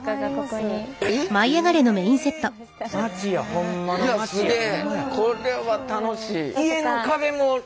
これは楽しい。